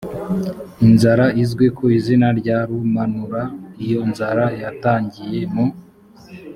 inzara izwi ku izina rya rumanura. iyo nzara yatangiriye mu